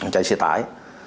chạy xe tải